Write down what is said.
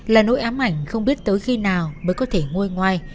là nỗi ám ảnh không biết tới khi nào mới có thể ngôi ngoài